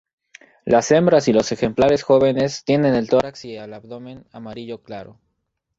Las hembras y los ejemplares jóvenes tienen el tórax y el abdomen amarillo claro.